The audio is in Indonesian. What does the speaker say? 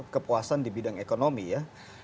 kepuasan di bidang ekonomi ya